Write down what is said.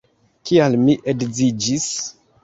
Kial mi edziĝis?